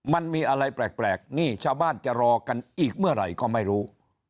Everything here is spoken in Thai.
มันมีอะไรแปลกนี่ชาวบ้านจะรอกันอีกเมื่อไหร่ก็ไม่รู้